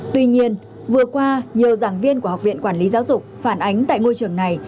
tuy nhiên vừa qua nhiều giảng viên của học viện quản lý giáo dục phản ánh tại ngôi trường này